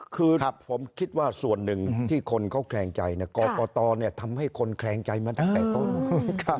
คือผมคิดว่าส่วนหนึ่งที่คนเขาแคลงใจกรกตทำให้คนแคลงใจมาตั้งแต่ต้น